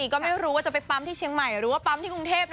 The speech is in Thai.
ก็ไม่รู้ว่าจะไปปั๊มที่เชียงใหม่หรือว่าปั๊มที่กรุงเทพนะ